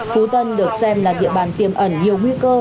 phú tân được xem là địa bàn tiềm ẩn nhiều nguy cơ